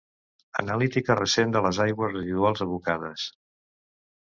Analítica recent de les aigües residuals abocades.